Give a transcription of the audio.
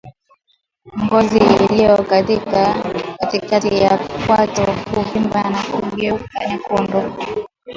Ngozi iliyo katikati ya kwato huvimba na kugeuka nyekundu